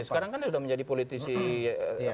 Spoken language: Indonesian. sekarang kan sudah menjadi politisi tingkatan kenal